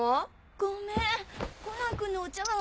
ごめんコナンくんのお茶わん